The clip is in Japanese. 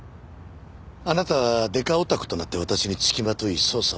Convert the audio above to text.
あなたはデカオタクとなって私につきまとい捜査を攪乱した。